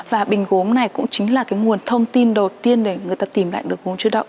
và bình gốm này cũng chính là cái nguồn thông tin đầu tiên để người ta tìm lại được gốm chưa động